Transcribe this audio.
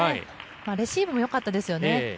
レシーブも良かったですね。